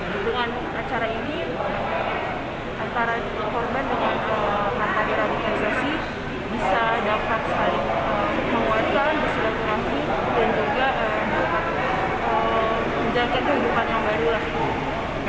dengan acara ini antara korban dan kata kata radikalisasi bisa dapat sekali menguatkan disilaturahmi dan juga menjaga kehidupan yang baru